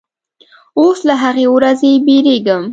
اوس له هغې ورځې بیریږم